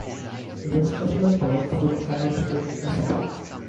The rest of my thoughts would have to wait a spell.